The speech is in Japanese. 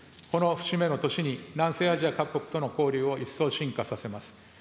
この節目の年に、南西アジア各国との交流を一層深化させます。